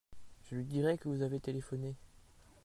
Je lui dirai que vous avez téléphoné.